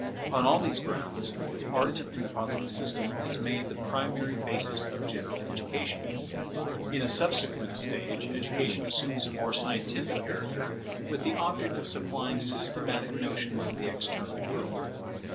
On all these grounds Art, in the Positive system, is made the primary basis of general education. In a subsequent stage education assumes a more scientific character, with the object of supplying systematic notions of the external world.